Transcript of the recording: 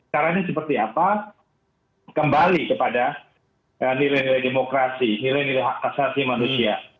caranya seperti apa kembali kepada nilai nilai demokrasi nilai nilai hak asasi manusia